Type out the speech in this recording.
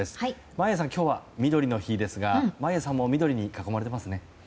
眞家さん、今日はみどりの日ですが眞家さんも緑に囲まれてますね。